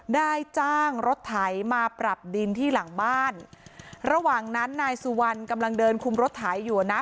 ได้จ้างรถไถมาปรับดินที่หลังบ้านระหว่างนั้นนายสุวรรณกำลังเดินคุมรถไถอยู่นะ